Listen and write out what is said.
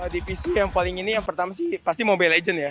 divisi yang paling ini yang pertama sih pasti mobile legends ya